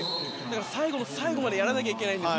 最後の最後までやらないといけないです。